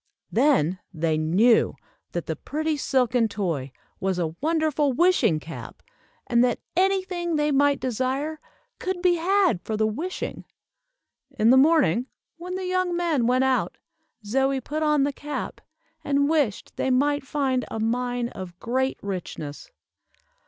Then they knew that the pretty silken toy was a wonderful wishing cap, and that any thing they might desire, could be had for the wishing. In the morning, when the young men went out, Zoie put on the cap, and wished they might find a mine of great richness.